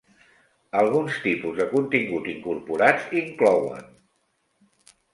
Alguns tipus de contingut incorporats inclouen: